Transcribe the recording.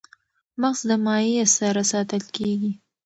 مغز د مایع سره ساتل کېږي.